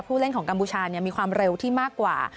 เล่นของกัมพูชามีความเร็วที่มากกว่า